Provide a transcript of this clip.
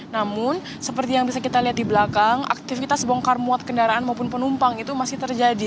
namun seperti yang bisa kita lihat di belakang aktivitas bongkar muat kendaraan maupun penumpang itu masih terjadi